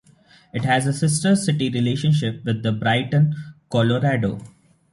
It has a sister city relationship with Brighton, Colorado.